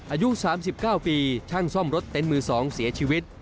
อายุ๓๙ปีช่างซ่อมรถเต็นต์มือ๒เสียชีวิต